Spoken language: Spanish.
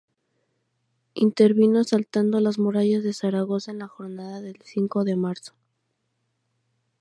Intervino asaltando las murallas de Zaragoza en la jornada del Cinco de Marzo.